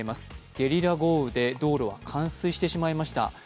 ゲリラ豪雨で道路は冠水してしまいました。